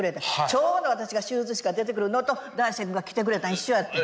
ちょうど私が手術室から出てくるのと大助君が来てくれたん一緒やってん。